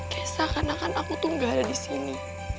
kayak seakan akan aku tuh gak ada di sini